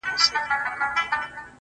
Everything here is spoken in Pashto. په دې ډېر ولس کي چا وهلی مول دی”